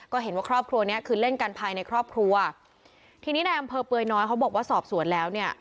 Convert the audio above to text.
ก็เห็นว่าครอบครัวเนี้ยคือเล่นกันภายในครอบครัวทีนี้ในอำเภอเปลือยน้อยเขาบอกว่าสอบสวนแล้วเนี่ย